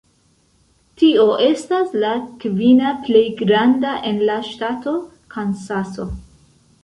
Tio estas la kvina plej granda en la ŝtato Kansaso.